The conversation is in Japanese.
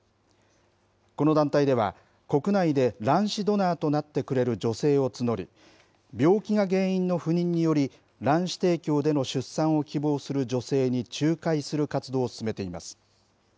この団体では、国内で卵子ドナーとなってくれる女性を募り、病気が原因の不妊により、卵子提供での出産を希望する女性に仲介する活動を進めています。